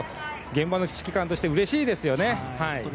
現場の指揮官としてうれしいですよね。